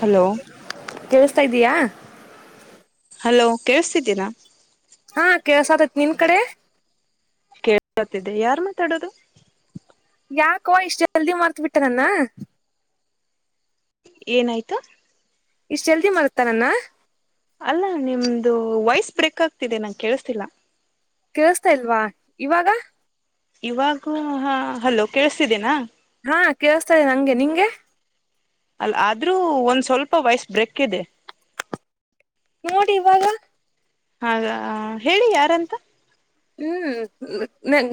Hello ಕೇಳಸ್ತಾ ಇದ್ದಯಾ hello ಕೇಳಸ್ತಿದ್ದೀರಾ ಹಾ ಕೇಳಸ್ತಿ ಅಯ್ತಿ ನಿಮ್ ಕಡೆ ಕೇಳ್ಕತಿದ್ದೆ ಯಾರ್ ಮಾತಾಡೋದು ಯಾಕೋ ಇಷ್ಟು ಜಲ್ದಿ ಮಾಡಾರ್ತ್ ಬಿಟ್ಟ ನನ್ನ ಏನಾಯ್ತು ಇಷ್ಟ ಜಲ್ದಿ ಮಾಡಾರ್ತ್ ನನ್ನ ಅಲ್ಲ ನಿಮ್ದು ವಯಸ್ ಬ್ರೇಕ್ ಆಗ್ತಿದೆ ನಂಗೆ ಕೇಳ್ತಿಲ್ಲ ಕೇಳಸ್ತಾ ಇಲ್ವಾ ಇವಾಗ ಇವಾಗ ಹ ಹಲೋ ಕೇಳಿಸತಿದೇನಾ ಹಾ ಕೇಳಸ್ತಾ ಇದ್ದೀ ನಂಗೆ ನಿಂಗೆ ಅಲ್ಲ ಆದ್ರೂ ಒಂದ್ ಸ್ವಲ್ಪ ವಯಸ್ಸ ಬ್ರಕ್ ಇದೆ ನೋಡಿ ಇವಾಗ ಹಾಗ ಹೇಳಿ ಯಾರಂತ ಹ್ಮ್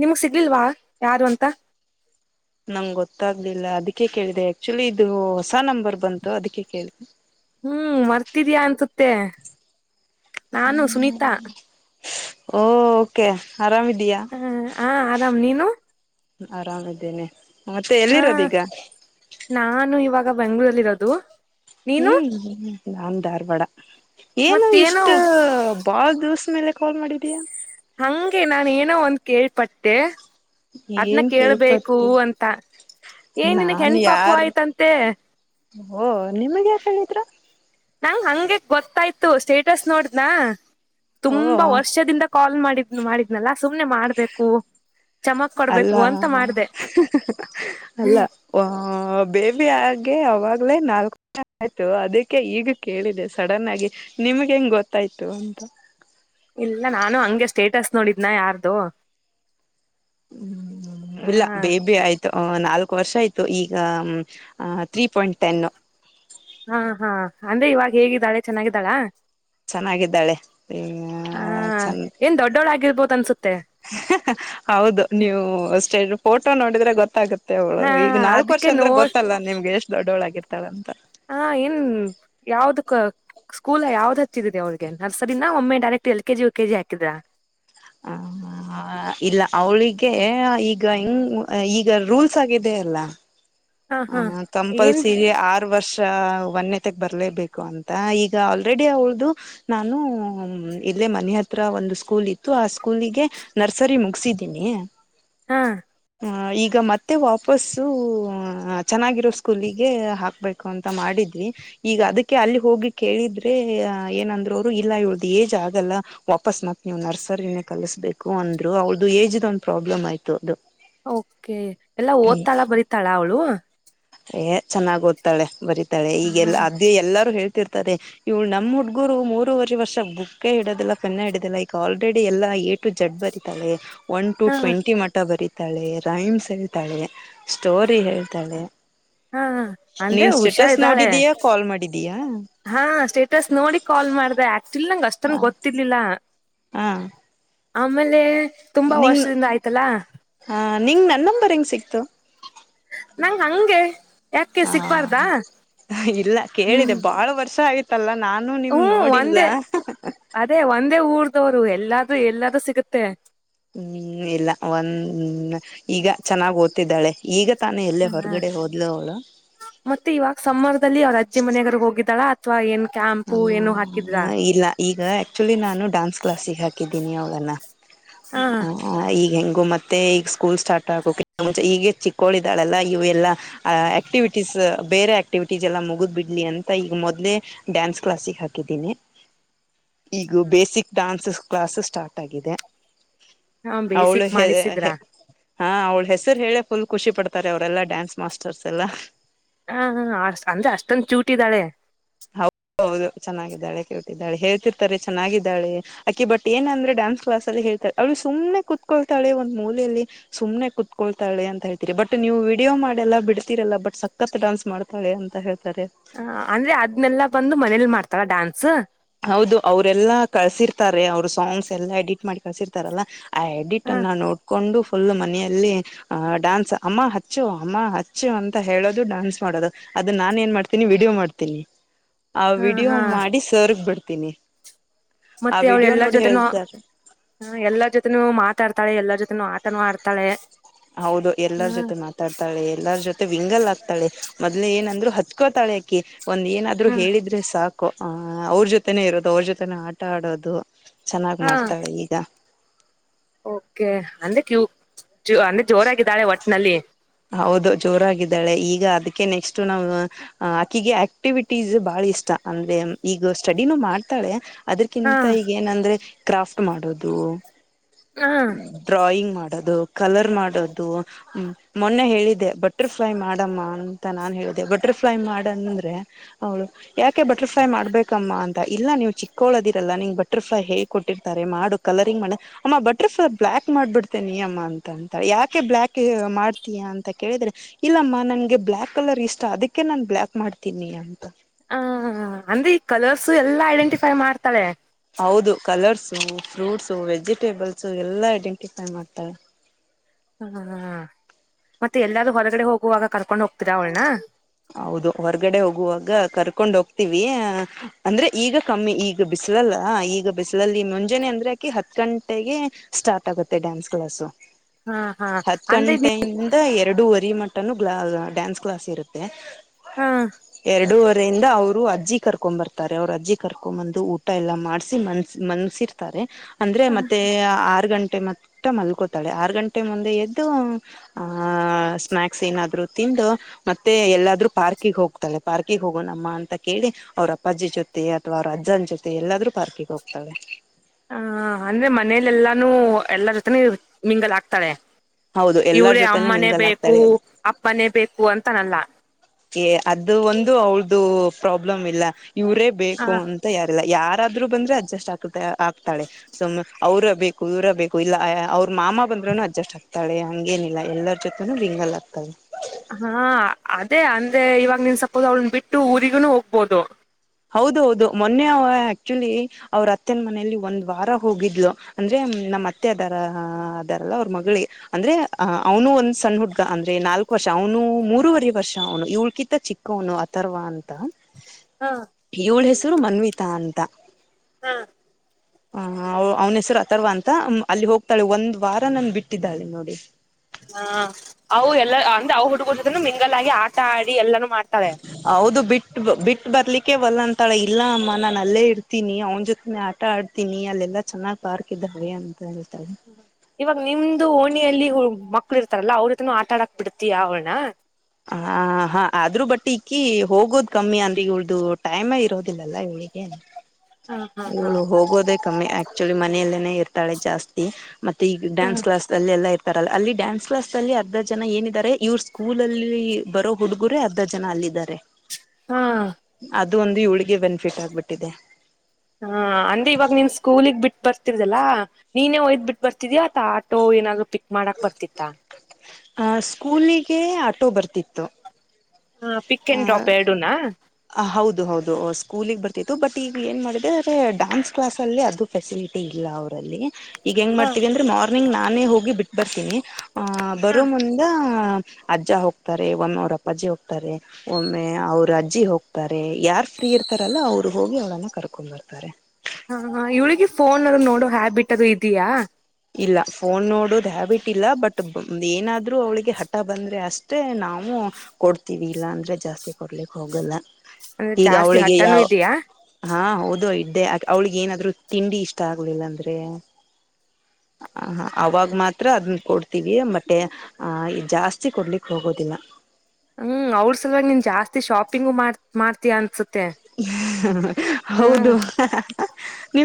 ನಿಮಗ್ ಸಿಗ್ಲಿಲ್ವಾ ಯಾರು ಅಂತ ನಂಗೆ ಗೊತ್ತಾಗ್ಲಿಲ್ಲ ಅದಕ್ಕೆ ಕೇಳಿದೆ ಆಕ್ಚುಲಿ ಇದು ಹೊಸ ನಂಬರ್ ಬಂತು ಅದಕ್ಕೆ ಕೇಳಿದೆ ಹ್ಮ್ ಮರ್ತಿದ್ಯಾ ಅಂನುತ್ತೆ ನಾನು ಸುನೀತಾ ಓ ಕೆ ಆರಾಮಿದ್ಯಾ ಹ ಹ ಆರಾಮ್ ನೀನು ಆರಾಮ್ದೇನೆ ಮತ್ತೆ ಆ ಎಲ್ಲಿರೋದ ಈಗ ನಾನು ಇವಾಗ ಬೆಂಗ್ಳೂರಲ್ಲಿ ಇರೋದು ಹ್ಮ್ ನಾನ್ ಧಾರ್ವಾಡ ಏನು ಮತ್ತೇನೋ ಇಷ್ಟ ಭಾಳ ದಿವಸ ಮೇಲೆ ಕಾಲ್ ಮಾಡಿದೀಯಾ.. ಹಂಗೆ ನಾನ ಏನೋ ಒಂದ್ ಕೇಳ್ಪಟ್ಟೆ ಅದ್ನ್ನ ಏನ್ ಕೇಳ್ಬೇಕು ಕೇಳ್ಪಟ್ಟಿ ಅಂತ ಏನ್ ನಿನಗ್ ನಾನ್ ಹೆಣ್ಣ ಪಾಪು ಯಾರ್ ಆಯ್ತಂತೆ.. ಓ ನಿಮಗ್ ಯಾರ್ ಹೇಳಿದ್ರು ನಂಗ್ ಹಂಗಗೆ ಗೊತ್ತಾಯ್ತು ಸ್ಟೇಟಸ್ ನೋಡ್ನಾ ಓ ತುಂಬಾ ವರ್ಷದಿಂದ ಕಾಲ್ ಮಾಡಿದ್ ಇದ ಮಾಡಿದ್ನಲ್ಲಾ ಸುಮ್ನೆ ಮಾಡ್ಬೇಕು ಚಮಕ್ ಅಲ್ಲ ಕೊಡ್ಬೇಕು ಅಂತ ಮಾಡ್ದ [unintelligible] ಅಲ್ಲ ಬೇಬಿ ಆಗೆ ಅವಾಗ್ಲೇ ನಾಲ್ಕು ಆಯ್ತು ಅದಕ್ಕೆ ಈಗ ಕೇಳಿದೆ ಸಡನ್ ಆಗಿ ನಿಮ್ಗೆ ಹೆಂಗ್ ಗೊತ್ತಾಯ್ತು ಅಂತ ಇಲ್ಲ ನಾನು ಹಂಗೆ ಸ್ಟೇಟಸ್ ನೋಡಿದ್ನ ಯಾರ್ದು ಹ್ಮ್್ಮ ಹ ಇಲ್ಲ ಬೇಬಿ ಆಯ್ತು ನಾಲ್ಕು ವರ್ಷ ಆಯ್ತು ಈಗ ತ್ರೀ ಪಾಯಿಂಟ್ ಟೆನ್ ಹಾ ಹಾ ಅಂದ್ರೆ ಇವಾಗ ಹೇಗಿದ್ದಾಳೆ ಚೆನ್ನಾಗಿದ್ದಾಳ ಚೆನ್ನಾಗಿದ್ದಾಳೆ [inaudible] ಹ ಚಂದ ಏನ್ ದೊಡ್ಡೋಳ ಆಗಿರ್ಬೋದ ಅನ್ಸುತ್ತೆ [unintelligible] ಹೌದು ನೀವು ಅಷ್ಟೆ ಫೋಟೋ ನೋಡಿದ್ರೆ ಗೊತ್ತಾಗುತ್ತೆ ಮತ್ತೆ ಅವ್ಳು ಹಾ ಈಗ ನಾಲ್ಕ್ ವರ್ಷ ಅದಕ್ಕೆ ಅಂದ್ರೆ ನೋಡ್ ಗೊತ್ತಲ್ಲಾ ನಿಮ್ಗೆ ಎಷ್ಟ್ ದೊಡ್ಡವಳ ಆಗಿರತಾಳ ಅಂತ ಹಾ ಏನ್ [inaudible] ಯಾವ್ದಕ್ಕ್ ಸ್ಕೂಲ್ ಯಾವ್ ಹಚ್ಚಿದಿದೆ ಅವ್ರಿಗೆ ನರ್ಸರಿನ ಒಮ್ಮೆ ಡೈರೆಕ್ಟ್ ಎಲ್ ಕೆಜಿ ವಓ ಕೆಜಿ ಹಾಕಿದ್ರಾ [inaudible] ಇಲ್ಲ ಅವಳಿಗೆ ಈಗ ಹಂಗ್ ಈಗ ರೂಲ್ಸ್ ಆಗಿದೆ ಅಲ್ಲ.. ಹ ಏನ್ ಕಂಪಲ್ಸರಿ ಆಗ ವರ್ಷ ಒನೆತಕ್ ಬರ್ಲೇಬೇಕು ಅಂತ ಈಗ ಆಲ್ರೆಡಿ ಅವಳ್ದು. ನಾನು ಇಲ್ಲೇ ಮನೆ ಹತ್ರ ಒಂದು ಸ್ಕೂಲ್ ಇತ್ತು ಆ ಸ್ಕೂಲಿಗೆ ನರ್ಸರಿ ಮುಗಸಿದ್ದೀನಿ ಹಾ ಹ ಈಗ ಮತ್ತೆ ವಾಪಸ್ಸು ಚೆನ್ನಾಗಿರೋ ಸ್ಕೂಲಿಗೆ ಹಾಕಬೇಕು ಅಂತ ಮಾಡಿದ್ವಿ ಈಗ ಅದಕ್ಕೆ ಅಲ್ಲಿ ಹೋಗಿ ಕೇಳಿದ್ರೆ ಅ ಏನಂದ್ರು ಅವ್ರು ಇಲ್ಲ ಇಳ್ದು ಏಜ್ ಆಗಲ್ಲ ವಾಪಸ್ ಮತ್ತ ನೀವು ನರ್ಸರಿನೇ ಕಲಸ್ಬೇಕು ಅಂದ್ರು ಅವ್ರ್ದ ಏಜ್ದ್ ಒಂದ್ ಪ್ರಾಬ್ಲಮ್ ಆಯ್ತು ಅದು ಓಕೆ ಎಲ್ಲಾ ಹ್ಮ್ ಓದ್ತಾಳ ಬರತಾಳ ಅವಳು ಏ ಚೆನ್ನಾಗ ಓದ್ತಾಳೆ ಬರೀತಾಳೆ ಹ ಈಗೆಲ್ಲ ಅದ ಎಲ್ಲಾರು ಹೇಳ್ತಿರ್ತಾರೆ ಇವ್ ನಮ್ಮ್ ಹುಡ್ಗುರು ಮೂರವರೆ ವರ್ಷ ಬುಕ್ ಹಿಡದಿಲ್ಲಫೆನ್ನ ಹಡಿದದಿಲ್ಲ ಈಗ ಆಲ್ರೆಡಿ ಎಲ್ಲಾ ಜಗ್ಗ ಬರಿತಳೆ ಒನ್ ಟು ಹಾ ಟ್ವೆಂಟಿ ಮಠ ಬರೀತಾಳೆ ರೈಮ್ಸ್ ಹೇಳ್ತಾಳೆ ಸ್ಟೋರಿ ಹ ತಳೆ ಹಾ ಅಂದ್ರೆ ನೀನ್ ಹುಷಾರ್ ಸ್ಟೇಟಸ್ ಇದ್ದಾಳೆ ನೋಡಿದೀಯಾ ಕಾಲ್ ಮಾಡಿದೀಯಾ ಹಾ ಸ್ಟೇಟಸ್ ನೋಡಿ ಕಾಲ್ ಮಾಡ್ದ ಆಕ್ಚುಲಿ ನಂಗ ಅಷ್ಟನ್ ಹಾ ಗೊತ್ತಿರ್ಲಿಲ್ಲ ಹಾ ಆಮೇಲೆ ತುಂಬಾ ವರ್ಷದಿಂದ ಆಯ್ತಲ್ಲಾ. ಹಾ ನಿಂಗ್ ನನ್ನಂಬರ್ ಹೆಂಗ್ ಸಿಕ್ತು ನಂಗ ಹಂಗೆ. ಯಾಕೆ ಸಿಗ್ಬಾರ್ದಾ ಹಾ ಇಲ್ಲ ಕೇಳಿದೆ ಹ್ಮ್ ಬಾಳ ವರ್ಷ ಆಯತು ಅಲ್ಲಾ ನಾನು ನಿಮ್ ಹ್ಮ್ ನೋಡಿಲ್ಲ ಒಂದೇ ಅದೇ ಒಂದೇ ಊರ್ದವರು ಎಲ್ಲಾದೂ ಎಲ್ಲಾದೂ ಸಿಗುತ್ತೆ. ಹ್ಮ್ ಇಲ್ಲ ಒಂದ್ ಈಗ ಚೆನ್ನಾಗಿ ಓದ್ತಿದ್ದಾಳೆ ಈಗ ತಾನು ಎಲ್ಲೇ ಹ ಹೊರಗಡೆ ಹೋದಲು ಅವಳು. ಮತ್ತೆ ಇವಾಗ ಸಮ್ಮರ್ದಲ್ಲಿ ಅವ್ರ ಅಜ್ಜಿ ಮನೆಯಾಗದ್ರೂ ಹೋಗಿದ್ದಾಳಾ ಅಥವಾ ಏನ್ ಕ್ಯಾಂಪು ಏನು ಹ್ಮ ಹಾಕಿದ್ರಾ. ಇಲ್ಲ ಈಗ ಆಕ್ಚುಲಿ ನಾನು ಡಾನ್ಸ್ ಕ್ಲಾಸಿಗೆ ಹಾಕಿದ್ದೀನಿ ಅವಳನ್ನ ಹ ಅ ಆ ಈಗ ಹೆಂಗು ಮತ್ತೆ ಈಗ ಸ್ಕೂಲ್ ಸ್ಟಾರ್ಟ್ ಆಗಕ್ಕೂ ಮುಂಚೆ ಈಗ ಚಿಕ್ಕೋಳಿದಾಳೆಲ್ಲ ಇವೆ ಎಲ್ಲಾ ಆ ಆಕ್ಟಿವಿಟೀಸ್ ಬೇರೆ ಆಕ್ಟಿವಿಟೀಸ್ ಎಲ್ಲಾ ಮುಗುದ್ ಬಿಡ್ಲಿ ಅಂತ ಈಗ ಮೊದ್ಲೆೇ ಡ್ಯಾನ್ಸ್ ಕ್ಲಾಸಿಗೆ ಹಾಕಿದ್ದೀನಿ. ಈಗ ಬೇಸಿಕ್ ಡಾನ್ಸ್ ಕ್ಲಾಸ್ಸೂ ಸ್ಟಾರ್ಟ್ ಆಗಿದೆ. ಹ ಅವಳು ಬೇಸಿಕ್ ಹೆ ಮಾಡಿಸಿದ್ರ ಹೆ ಹಾ ಅವಳು ಹೆಸರು ಹೇಳೆ ಪುಲ್ ಖುಷಿ ಪಡ್ತಾರೆ ಅವರೆಲ್ಲಾ ಡ್ಯಾನ್ಸ್ ಮಾಸ್ಟರ್ಸ್ ಎಲ್ಲಾ. ಹಾ ಹ ಅ ಅಂದ್ರೆ ಅಷ್ಟೊಂದು ಕ್ಯೂಟ್ ಇದ್ದಾಳೆ. ಹೌದು ಚೆನ್ನಾಗಿದ್ದಾಳೆ ಕೇಳ್ತಿದ್ದಾಳೆ ಹೇಳ್ತಿರ್ತಾರೆ ಚೆನ್ನಾಗಿದ್ದಾಳೆ ಅಕ್ಕಿ ಬಟ್ ಏನ್ ಅಂದ್ರೆ ಡ್ಯಾನ್ಸ್ ಕ್ಲಸ್ ಅಲ್ಲಿ ಹೇಳ್ತಾಳೆ. ಅವಳು ಸುಮ್ಮನೆ ಕೂತ್ಕೊತ್ತಾಳೆ ಒಂದ್ ಮೂಲೆಯಲ್ಲಿ. ಸುಮ್ನೆ ಕುತ್ಕೂಳ್ತಾಳೆ ಅಂತ ಹೇಳ್ತೀರಿ ಬಟ್ ನೀವು ವಿಡಿಯೋ ಮಾಡಲ್ಲೆ ಬಿಡ್ತತೀರೆಲ್ಲ ಬಟ್ ಸಕ್ಕತ್ ಡಾನ್ಸ್ ಮಾಡ್ ತಾಳೆ ಅಂತ ಹೇಳ್ತಾರೆ. ಹ ಅಂದ್ರೆ ಅದ್ನೆಲ್ಲಾ ಬಂದು ಮನೇಲಿ ಮಾಡ್ತಾಳ ಡ್ಯಾನ್ಸ್ ಹೌದು ಅವ್ರೆಲ್ಲಾ ಕಳ್ಸಿರ್ತಾರೆ ಅವರು ಸಾಂಗ್ಸ್ ಎಲ್ಲಾ ಎಡಿಟ್ ಮಾಡಿ ಕಳ್ಸಿರ್ತಾರೆಲ್ಲ. ಆ ಎಡಿಟ್ ಹ ಅನ್ನು ನೋಡ್ಕೊಂಡು ಪುಲ್ ಮನೆಯಲ್ಲಿ. ಅ ಡಾನ್ಸ್ ಅಮ್ಮ ಹಚ್ಚು ಅಮ್ಮ ಹಚ್ಚು ಅಂತ ಹೇಳೋದು ಡಾನ್ಸ್ ಮಾಡೋದು. ಅದನ್ನ ನಾನು ಏನ್ ಮಾಡ್ತನಿ ವಿಡಿಯೋ ಮಾಡ್ತೀನಿ. ಆ ಹ ವಿಡಿಯೋ ಹಾ ಮಾಡಿ ಸರ್ಗ್ ಬಿಡ್ತೀನಿ. ಆ ಮತ್ತೆ ಅವಳು ವಿಡಿಯೋ ಎಲ್ಲಾ ನೋಡಿ ಜೊತೆನೂ ಹೇಳ್ತಾರೆ ಹ ಎಲ್ಲರೂ ಜೊತೆನೂ ಮಾತಾಡ್ತಾಳೆ ಎಲ್ಲಾರು ಜೊತೆನೂ ಆಟನೂ ಆಡ್ತಾಳೆ. ಹೌದು ಎಲ್ಲರ ಹ ಜೊತೆನೂ ಆ ಮಾತಾಡ್ತಾಳೆ ಎಲ್ಲಾರ ಜೊತೆನೂ ಮಿಂಗಲ್ ಆಗ್ತಾಳೆ ಮೊದಲೆ ಏನಂದ್ರು ಹತ್ಕೋತಾಳೆ ಅಕಿ ಒಂದ್ ಏನ್ ಆದ್ರು ಹ ಹೇಳಿದ್ರೆ ಸಾಕು ಆ ಅವ್ರ ಜೊತೆನೆೇ ಇರೋದು ಅವ್ರ ಜೊತೆನೇ ಆಟ ಆಡೋದು. ಚೆನ್ನಾಗ್ ಹ ಮಾಡ್ತಾಳೆ ಈಗ ಓಕೆ ಅಂದ್ರೆ ಕ್ಯೂ ಅಂದ್ರೆ ಜೋರಾಗಿದ್ದಾಳೆ ಒಟ್ನಲ್ಲಿ. ಹೌದು ಜೋರಾಗಿದ್ದಾಳೆ ಈಗ ಅದಕ್ಕೆ ನೆಕ್ಸ್ಟ್ ನಾವು ಅ ಆಕಿಗೆ ಆಕ್ಟಿವಿಟೀಸ್ ಬಾಳ ಇಷ್ಟ ಅಂದ್ರೆ ಈಗ ಸ್ಟಡಿನೂ ಮಾಡ್ತಾಳೆ. ಹ ಅದಕಿಂತ ಈಗ ಏನಂದ್ರೆ ಕ್ರಾಫ್ಟ್ ಮಾಡೋದು. ಹಾ ಡ್ರಾಯಿಂಗ್ ಮಾಡೋದು ಕಲರ್ ಮಾಡೋದು ಹ್ಮ್ ಮೊನ್ನೆ ಹೇಳಿದೆ ಬಟರ್ ಪ್ಲೈ ಮಾಡಮ್ಮ ಅಂತ ನಾನ್ ಹೇಳಿದೆ ಬಟರ್ ಪ್ಲೈ ಮಾಡ್ ಅಂದ್ರೆ. ಅವಳು ಯಾಕೆ ಬಟರ್ ಫ್ಲೈ ಮಾಡ್ಬೇಕಮ್ಮ ಅಂತ ಇಲ್ಲ ನೀವು ಚಿಕ್ಕೋಳದಿರಲ್ಲ ನಿಂಗ್ ಬಟರ್ ಫ್ಲೈ ಹೇಳಿ ಕೊಟ್ಟಿರ್ತಾರೆ ಮಾಡು. ಕಲರಿಂಗ್ ಮಾಡ್ ಅಮ್ಮ ಬಟರ್ ಫ್ಲೈ ಬ್ಲಾಕ್ ಮಾಡ್ಬಿಡ್ತೆೇನಿ ಅಮ್ಮ ಅಂತ ಅಂತಾಳೆ ಯಾಕೆ ಬ್ಲಾಕ್ ಮಾಡ್ ತ್ತಿಯ ಅಂತ ಕೇಳಿದ್ರೆ ಇಲ್ಲಮ್ಮ ನನ್ಗೆ ಬ್ಲಾಕ್ ಕಲರ್ ಇಷ್ಟ ಅದಕ್ಕೆ ನಾನ್ ಬ್ಲಾಕ್ ಮಾಡ್ತೀನಿ ಅಂತ. ಹ ಅಂದ್ರೆ ಈಗ ಕಲರ್ಸ್ ಎಲ್ಲಾ ಐಡೆಂಟಿಫೈ ಮಾಡ್ತಾಳೆ. ಹೌದು ಕಲರ್ಸು, ಪ್ರೂಟ್ಸು, ವೆಜಿಟೇಬಲ್ಸು, ಎಲ್ಲಾ ಐಡೆಂಟಿಫೈ ಮಾಡ್ತಾಳೆ. ಹಾ ಹಾ ಮತ್ತೆ ಎಲ್ಲಾದ್ರೂ ಹೊರಗಡೆ ಹೋಗುವಾಗ ಕರ್ಕೊಂಡ್ ಹೋಗ್ತೀರಾ ಅವಳನ. ಹೌದು ಹೊರಗಡೆ ಹೋಗುವಾಗ ಕರ್ಕೊಂಡ್ ಹೋಗ್ತೀವಿ ಅಂದ್ರೆ ಈಗ ಕಮ್ಮಿ ಈಗ ಬಿಸಲಲ್ಲ ಈಗ ಬಿಸಲಲ್ಲಿ ಮುಂಜಾನೆ ಅಂದ್ರೆ ಅಕಿ ಹತ್ ಗಂಟೆಗೆ ಸ್ಟಾರ್ಟ್ ಆಗುತ್ತೆ ಡ್ಯಾನ್ಸ್ ಕ್ಲಾಸ್ಸು ಹಾ ಹಾ ಹತ್ತು ಅಂದ್ರೆ ಗಂಟೆಯಿಂದ್ ಎರಡುುವರಿ ಮಟ್ಟನು ಗ್ಲಾ ಡ್ಯಾನ್ಸ್ ಕ್ಲಾಸ್ ಇರುತ್ತೆ. ಹ ಎರಡೂವರೆ ಇಂದ ಅವರು ಅದ್ ಅಜ್ಜಿ ಕರ್ಕೊ ಬರ್ತಾರೆ ಅವರು ಅಜ್ಜಿ ಕರ್ಕೊ ಬಂದು ಊಟ ಎಲ್ಲಾ ಮಾಡ್ಸಿ ಮನ್ಸ್ ಮನ್ಸಿರ್ತಾರೆ. ಅಂದ್ರೆ ಮತ್ತೆ ಆರು ಗಂಟೆ ಮತ್ತೆ ಮಲ್ಕೋತಾಳೆ ಆರು ಗಂಟೆ ಮುಂದೆ ಎದ್ದು ಆ ಸ್ನಾಕ್ಸ್ ಏನಾದ್ರು ತಿಂದು. ಮತ್ತೆ ಎಲ್ಲಾದ್ರೂ ಪಾರ್ಕಿಗೆ ಹೋಗ್ತಾಳೆ ಪಾರ್ಕಿಗೆ ಹೋಗೋಣಮ್ಮ ಅಂತ ಕೇಳಿ, ಅವ್ರ ಅಪ್ಪಾಜಿ ಜೊತೆ ಅಥವಾ ಅವ್ರ ಅಜ್ಜಾನ್ ಜೊತೆ ಎಲ್ಲಾದ್ರೂ ಪಾರ್ಕಿಗೆ ಹೋಗ್ತಾಳೆ. ಹ ಅಂದ್ರೆ ಮನೇಲೆ ಎಲ್ಲಾನು ಎಲ್ಲರೂ ಜೊತೆನೂ ಮಿಂಗಲ್ ಆಗ್ತಾಳೆ. ಹೌದು ಎಲ್ಲಾರ ಇವ್ರಳೆ ಜೊತೆನೂ ಅಮ್ಮನೇ ಮಿಂಗಲ್ ಬೇಕು ಆಗ್ತಾಳೆ ಅಪ್ಪನೇ ಬೇಕು ಅಂತನಲ್ಲ. ಛೇ ಅದು ಒಂದು ಅವ್ರ್ದು ಪ್ರಾಬ್ಲಮ್ ಇಲ್ಲ ಇವರೇ ಬೇಕು ಹ ಅ. ತಯಾರಿಲ್ಲ ಯಾರಾದ್ರೂ ಬಂದ್ರೆ ಅಡ್ಜಸ್ಟ್ ಆ ಆಗ್ತಾಳೆ. ಸುಮ್ನೆ ಅವ್ರೆ ಬೇಕು ಇವರೇ ಬೇಕು ಇಲ್ಲ ಅವ್ರು ಮಾಮ ಬಂದ್ರೂನೂ ಅಡ್ಜಸ್ಟ್ ಆಗ್ ತಳೆ ಹಂಗೇನಿಲ್ಲ ಎಲ್ಲರೂ ಜೊತೆನೂ ಮಿಂಗಲ್ ಆಗ್ತಳೆ. ಹಾ ಅದೇ ಅಂದ್ರೆ ಇವಾಗ ನಿನ್ ಸಪೋಸ್ ಅವ್ನ ಬಿಟ್ಟು ಊರಿಗುನು ಹೋಗ್ಬೋದು. ಹೌದು ಹೌದು ಮೊನ್ನೆ ಅ ಆಕ್ಚುಲಿ ಅವ್ರು ಅತ್ತೆ ಮನೆಯಲ್ಲಿ ಒಂದ್ ವಾರ ಹೋಗಿದ್ಲು. ನಿಜ ನಮ್ಮ್ ಅತ್ತೆ ಬ ರ ಹ ಬರಲ್ಲ ಅವ್ರು ಮಗಳಿಗೆ. ಅಂದ್ರೆ ಅ ಅವನು ಒಂದ್ ಸಣ್ಣ ಹುಡ್ಗ ಅಂದ್ರೆ ನಾಲ್ಕು ವರ್ಷ ಅವನು ಮೂರುವರೆ ವರ್ಷ ಅವನು ಇವಳ್ಕಿಂತ ಚಿಕ್ಕ ಕನು ಅಥರ್ವ ಅಂತ. ಹಾ ಇವಳು ಹೆಸರು ಮನ್ವಿತಾ ಅಂತ. ಹಾ ಹ ಅವ್ನ ಹೆಸರು ಅಥರ್ವ ಅಂತ ಅಲ್ಲಿಗೆ ಹೋಗ್ತಾಳೆ ಒಂದ್ ವಾರ ನನನ್ನು ಬಿಟ್ಟಿದ್ದಾಳೆ ನೋಡಿ. ಹಾ ಅವಳು ಎಲ್ಲ ಅಂದ್ರೆ ಅ ಹುಡುಗರೂ ಜೊತೆನು ಮಿಂಗಲ್ ಆಗಿ ಆಟ ಆಡಿ ಎಲ್ಲಾನೂ ಮಾಡಿ, [inaudible] ಹೌದು ಬಿಟ್ಟ ಬಿಟ್ಟು ಬರ್ಲಿಕ್ಕೆ ಒಲ್ಲ ಅಂತಾಳ ಇಲ್ಲ ಅಮ್ಮ ನಾನು ಅಲ್ಲೇ ಇರ್ತೀನಿ ಅವ್ನ ಜೊತೆನೆ ಆಟ ಆಡ್ ತಿನಿಯಲ್ಲೆಲ್ಲಾ ಚೆನ್ನಾಗ್ ಪಾರ್ಕ್ ಇದ್ದ ಭಯ ಅನ್ಕೊಂಡಿರ್ತಾರೆ. ಇವಾಗ ನಿಮ್ದು ಓಣಿಯಲ್ಲಿ ಮಕ್ಳು ಇರ್ತಾರಲ್ಲಾ ಅವರತ್ರನೂ ಆಟ ಆಡಾಕ್ ಬಿಡ್ತೀಯ ಅವ್ಳ್ನ. ಹ ಹಾ ಆದ್ರೂ ಬಟ್ಟಿ ಇಕ್ಕಿ ಹೋಗೋದು ಕಮ್ಮಿ ಅಂದ್ರಿ ಇವಳ್ದು ಟೈಮೇ ಇರೋದಿಲಲ್ಲ ಇವಳಿಗೆ. ಹಾ ಹಾ ಹಾ ಇವಳು ಹೋಗೋದೇ ಕಮ್ಮಿ ಆಕ್ಚುಲಿ ಮನೆಯಲ್ಲೇನೆ ಇರ್ತಾಳೆ ಜಾಸ್ತಿ ಮತ್ತೆ ಈಗ ಹ್ಮ ಡ್ಯಾನ್ಸ್ ಕ್ಲಾಸ್. ಅಲ್ಲಿ ಎಲ್ಲಾ ಇರ್ತಾರಲ್ಲ ಅಲ್ಲಿ ಡ್ಯಾನ್ಸ್ ಕ್ಲಾಸ್ ಅಲ್ಲಿ ಅರ್ಧ ಜನ ಏನಿದ್ದಾರೆ ಇವ್ರ ಸ್ಕೂಲ್ ಅಲ್ಲಿ ಬರೋ ಹುಡುಗುರೇ ಅರ್ಧ ಜನ ಅಲ್ಲಿದ್ದಾರೆ ಹಾ ಅದು ಒಂದು ಇವಳಿಗೆ ಬೆನಿಫಿಟ್ ಆಗ್ಬಿಟ್ಟಿದೆ. ಹಾ ಅಂದ್ರೆ ಇವಾಗ ನಿನ್ ಸ್ಕೂಲಿಗ್ ಬಿಟ್ಟು ಬರ್ತಿರ್ದಲ್ಲಾ. ನೀನೇ ಒಯದ್ಬ್ ಬಿಟ್ಟು ಬರ್ತಿದ್ಯಾ ಆತ ಆಟೋ ಏನಾದ್ರು ಪಿಕ್ ಮಾಡಕ್ ಬರ್ತಿತ್ತಾ. ಆ ಸ್ಕೂಲಿಗೆ ಆಟೋ ಬರ್ತಿತ್ತು. ಹ ಪಿಕ್ ಅಂಡ್ ಡ್ರಾಪ್ ಎರಡುನಾ. ಆ ಹೌದು ಹೌದು ಸ್ಕೂಲಿಗ್ ಬರ್ತಿತ್ತು ಬಟ್ ಈಗ ಏನ್ ಮಾಡಿದೆ ಆದ್ರೆ ಡಾನ್ಸ್ ಕ್ಲಾಸ್ ಅಲ್ಲಿ ಅದು, ಫೆಸಿಲಿಟಿ ಇಲ್ಲ ಅವರಲ್ಲಿ, ಈಗ ಹೆಂಗ್ ಹಾ ಮಾಡ್ತೀವಿ ಅಂದ್ರೆ ಮಾರ್ನಿಂಗ್ ನಾನೇ ಹೋಗಿ ಬಿಟ್ಟು ಬರ್ತೀನಿ ಆಹ್ ಹಾ ಬರೋ ಮುಂ ಅಜ್ಜ ಹೋಗ್ತಾರೆ ಒಮ್ಮೆ ಅವರು ಅಪ್ಪಾಜ್ಜಿ ಹೋಗ್ತಾರೆ ಒಮ್ಮೆ ಅವರು ಅಜ್ಜಿ ಹೋಗ್ತಾರೆ. ತಾರೆ ಯಾರ್ ಫ್ರೀ ಇರ್ತಾರಲ್ಲ ಅವರು ಹೋಗಿ ಅವಳನ್ನ ಕರ್ಕೊಂಡ್ ಬರ್ತಾರೆ. ಹಾ ಹ ಇವಳಿಗೆ ಫೋನ್ ಎಲ್ಲಾ ನೋಡ ಹ್ಯಾಬಿಟ್ ಅದು ಇದೆಯಾ. ಇಲ್ಲ ಫೋನ್ ನೋಡೋದು ಹ್ಯಾಬಿಟ್ ಇಲ್ಲ ಬಟ್ ಏನಾದರೂ ಅವಳಿಗೆ ಹಠ ಬಂದರೆ ಅಷ್ಟೇ ನಾವು, ಕೊಡ್ತೀವಿ ಇಲ್ಲಾ ಅಂದ್ರೆ ಜಾಸ್ತಿ ಕೊಡ್ಲಿಕ್ ಹೋಗಲ್ಲ ಅಂದ್ರೆ ಈಗ ಜಾಸ್ತಿ ಅವಳಿಗೆ ಹಠನೂ ಯಾವ ಇದೆಯಾ ಹಾ ಹೌದು ಇದ್ದೆ ಅವ್ಳಿಗೆ ಏನಾದ್ರು ತಿಂಡಿ ಇಷ್ಟ ಆಗೋದಿಲ್ಲ ಅಂದ್ರೆ. ಹ ಹ ಅವಾಗ ಮಾತ್ರ ಅದನ್ನು ಕೊಡ್ತೀವಿ ಮಟ್ಟೆ ಆ ಇ ಜಾಸ್ತಿ ಕೊಡ್ಲಿಕ್ ಹೋಗೋದಿಲ್ಲ. ಹ್ಮ್ ಅವ್ರು ಸಲುವಾಗಿ ನೀನ್ ಜಾಸ್ತಿ ಶಾಪಿಂಗು ಮಾಡ್ ಮಾಡ್ತಿಯಾ ಅನ್ಸಿತ್ತ್ ಹೌದು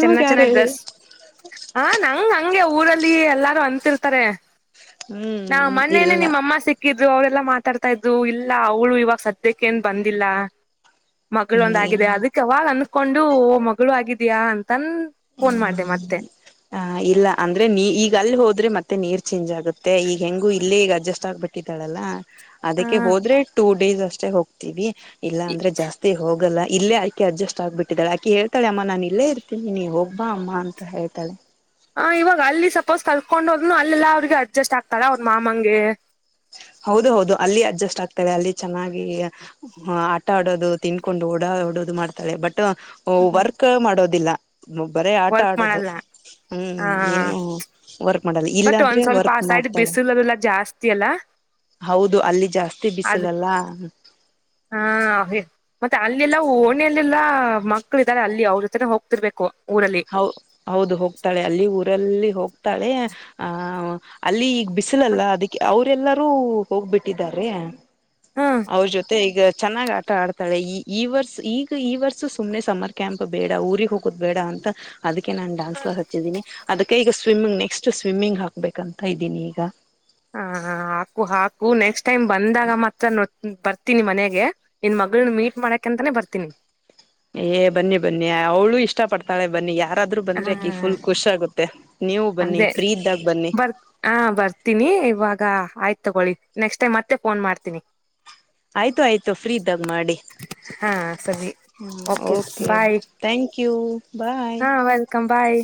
ಚೆನ್ನ ಯಾರು ಹೇಳಿ ಚೆನ್ನಗ್ದಸ್ ಹ ನಂಗ್ ಹಂಗೆ ಊರಲ್ಲಿ ಎಲ್ಲಾರು ಅಂತಿರ್ತಾರೆ. ನಾ ಹ್ಮ್ ಮೊನೇನೆ ಇಲ್ಲ ನಿಮ್ಮ ಅಮ್ಮ ಸಿಕ್ಕ ಹಗಿದ್ರು ಅವರೆಲ್ಲಾ ಮಾತಾಡ್ತಾ ಇದ್ರು ಇಲ್ಲ ಅವಳು ಇವಾಗ ಸದ್ಯಕ್ಕೆ ಏನ್ ಬಂದಿಲ್ಲ ಮಗಳು ಒಂದ ಆಗಿದೆ ಹ್ಮ್ ಅದಕ್ಕೆ ಅವಾಗ ಅನ್ಸ್ಕೊಂಡು ಮಗಳು ಆಗಿದಯಾ ಅಂತನ್. ಫೋನ್ ಮಾಡ್ದೆ ಮತ್ತೆ. ಹಾ ಇಲ್ಲ ಅಂದ್ರೆ ನೀ ಈಗ ಅಲ್ಲಿ ಹೋದ್ರೆ ಮತ್ತೆ ನೀರ್ ಚೇಂಜ್ ಆಗುತ್ತೆ ಈಗ ಹೆಂಗು ಇಲ್ಲೇ ಈಗ ಅಡ್ಜಸ್ಟ್ ಆಗ್ಬಿಟ್ಟೆ. ಹತಿತಾಳಲ್ಲ. ಅದಕ್ಕೆ ಹೋದ್ರೆ ಟೂ ಡೇಸ್ ಅಷ್ಟೆ ಹೋಗ್ತೀವಿ ಇಲ್ಲಾ ಅಂದ್ರೆ ಜಾಸ್ತಿ ಹೋಗಲ್ಲ ಇಲ್ಲೆ ಈಗ. ಅಕೆ ಅಡ್ಜಸ್ಟ್ ಆಗ್ಬಟ್ಟಿದ್ದಾಳ ಆಕೆ ಹೇತಾಳ ಅಮ್ಮ ನಾನು ಇಲ್ಲೇ ಇತೀನಿ ನೀವು ಹೋಗಿ ಬಾ ಅಂತಾ ಹೇಳ್ತಾಳೆ ಹಾ ಇವಾಗ ಅಲ್ಲಿ ಸಪೋಸ್ ಕಲ್ತ್ಕೊಂಡೋದ್ನು ಅಲ್ಲೆಲ್ಲಾ ಅವ್ರಿಗೆ ಅಡ್ಜಸ್ಟ್ ಆಗ್ತಲ್ಲ ಅವ್ರ ಮಾಮಂಗೆ. ಹೌದು ಹೌದು ಅಲ್ಲಿ ಅಡ್ಜಸ್ಟ್ ಆಗ್ತಾಳೆ ಅಲ್ಲಿ ಚೆನ್ನಾಗಿ. ಹಾ ಆಟ ಆಡೋದು ತಿನ್ಕೊಂಡು ಓಡು ಓಡೋದು ಮಾಡ್ತಾಳೆ ಬಟ್ ಹ ವರ್ಕ್ ಮಾಡೋದಿಲ್ಲಾ. ಬರೇ ಆಟ ವರ್ಕ್ ಆಡೋದು. ಮಾಡಲ್ಲ ಹ್ಮ್ ಆ ಏನು ವರ್ಕ್ ಮಾಡಲ್ಲ ಬಟ್ ಇಲ್ಲಾದ್ರೆ ಒಂದ್ ಸ್ವಲ್ಪ ವರ್ಕ್ ಆ ಸೈಡ್ ಮಾಡ್ತಾಳೆ. ಬಿಸಿಲುಲ್ಲ ಜಾಸ್ತಿ ಅಲ್ಲ ಹೌದು ಅಲ್ಲಿ ಜಾಸ್ತಿ ಅದ್ ಬಿಸಿಲಲ್ಲಾ. ಹಾ ಮತ್ತೆ ಅಲ್ಲೆಲ್ಲಾ ಓಣಿಯಲ್ಲೆಲ್ಲಾ ಮಕ್ಳು ಇದ್ದಾರೆ ಅಲ್ಲಿ ಅವ್ರ ಜೊತೆನೆ ಹೋಗ್ತಿರ್ಬೇಕು ಊರಲ್ಲಿ. ಹೌ ಹೌದು ಹೋಗ್ತಾಳೆ ಅಲ್ಲಿ ಊರಲ್ಲಿ ಹೋಗ್ತಾಳೆ ಆ ಅಲ್ಲಿ ಈ. ಬಿಸಿಲಲ್ಲಾ ಅಂದಕ್ಕೆ ಅವ್ರಲ್ಲರೂ ಹೋಗ್ಬಿಟ್ಟಿದ್ದಾರೆ. ಹ್ಮ್ ಅವ್ರ ಜೊತೆ ಈಗ ಚೆನ್ನಾಗಿ ಆಟ ಆಡ್ತಾ ತಾಳೆ ಈ ಈ ವರ್ಷ ಈಗ ಈ ವರ್ಷ ಸುಮ್ನೆ ಸಮಮ್ಮರ್ ಕ್ಯಾಂಪ್ ಬೇಡ ಊರಿಗೆ ಹೋಗುದ್ ಬೇಡ್ ಅಂತಾ. ಅದಕ್ಕೆ ನಾ ಡಾನ್ಸ್ ಕ್ಲಾಸ್ ಹಚ್ಚಿದ್ದೀನಿದಕ್ಕ ಈಗ ಸ್ವಿಮ್ಮಿಂಗ್ ನೆಕ್ಸ್ಟ್ ಸ್ವಿಮ್ಮಿಂಗ್ ಹಾಕ್ಬೇಕ ಅಂತಾ ಇದೀನಿ ಈಗ. ಹ ಹ ಹಾಕು ಹಾಕು ನೆಕ್ಸ್ಟ್ ಟೈಮ್ ಬಂದಾಗ ಮಾತ್ರ ನ ಬರ್ತೀನಿ ಮನೆಗೆ ನಿನ್ ಮಗಳನ್ನ ಮೀಟ್ ಮಾಡಕ್ ಅಂತಾನೇ ಬರ್ತೀನಿ ಏ ಬನ್ನಿ ಬನ್ನಿ ಅವಳು ಇಷ್ಟ ಪಡ್ತಾಳೆ ಬನ್ನಿ ಯಾರ ಯಾದ್ರರು ಹ ಬಂದ್ರೆ ಆಕಿ ಫುಲ್ ಖುಷ ಆಗುತ್ತೆ ನೀವು ಬನ್ನಿ ಅದೇ ಫ್ರೀ ಇದ್ದಾಗ ಬನ್ನಿ ಬರ್ ಹಾ ಬರ್ತೀನಿ ಇವಾಗ ಆಯ್ತತ್ ತಗೊಳ್ಳಿ ನೆಕ್ಸ್ಟ್ ಟೈಮ್ ಮತ್ತೆ ಫೋನ್ ಮಾಡ್ತೀನಿ ಆಯ್ತು ಆಯ್ತು ಫ್ರೀ ಇದ್ದಾಗ ಮಾಡಿ ಹಾ ಸರಿ ಹಾ ಓಕೆ ಥ್ಯಾಂಕ್ ಯು ಬಾಯ್ ಕಂಬಾಯ